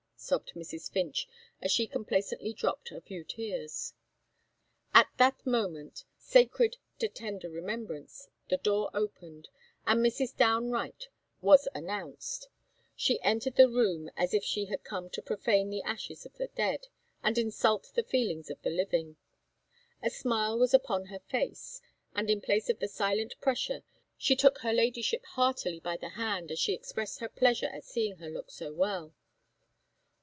sobbed Mrs. Finch, as she complacently dropped a few tears. At hat moment, sacred to tender remembrance, the door opened, and Mrs. Downe Wright was announced. She entered the room as if she had come to profane the ashes of the dead, and insult the feelings of the living. A smile was upon her face; and, in place of the silent pressure, she shook her Ladyship heartily by the hand as she expressed her pleasure at seeing her look so well.